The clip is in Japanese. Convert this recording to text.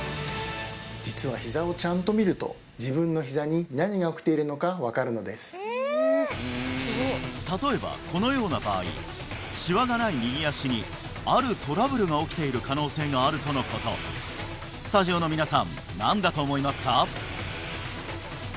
実は例えばこのような場合シワがない右脚にあるトラブルが起きている可能性があるとのことスタジオの皆さん何だと思いますか？